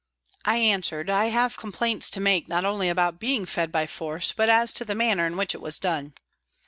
I answered, " I have complaints to make not only about being fed by force, but as to the manner in which it was done."